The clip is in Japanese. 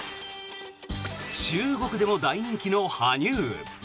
中国でも大人気の羽生。